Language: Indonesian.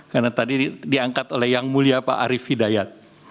karena tadi diangkat oleh yang mulia pak arief hidayat